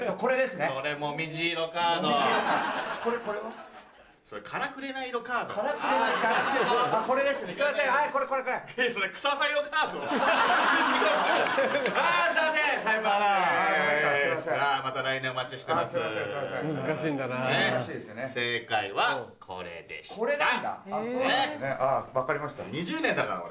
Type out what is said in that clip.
ねっ２０年だから俺。